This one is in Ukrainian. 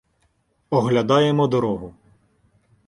Оглядаємо дорогу.